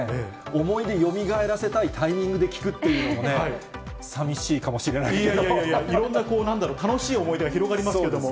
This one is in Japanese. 思い出よみがえらせたいタイミングで聞くっていうのもね、さみしいやいやいやいや、いろんな楽しい思い出が広がりますけども。